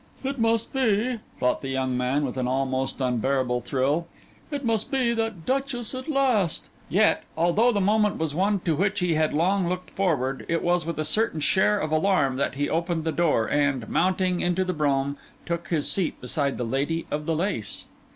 'It must be,' thought the young man with an almost unbearable thrill, 'it must be that duchess at last!' Yet, although the moment was one to which he had long looked forward, it was with a certain share of alarm that he opened the door, and, mounting into the brougham, took his seat beside the lady of the lace.